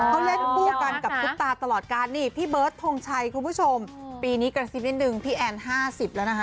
เขาเล่นคู่กันกับซุปตาตลอดการนี่พี่เบิร์ดทงชัยคุณผู้ชมปีนี้กระซิบนิดนึงพี่แอน๕๐แล้วนะคะ